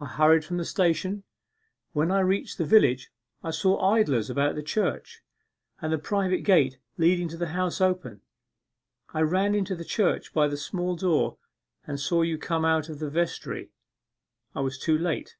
I hurried from the station; when I reached the village I saw idlers about the church, and the private gate leading to the House open. I ran into the church by the small door and saw you come out of the vestry; I was too late.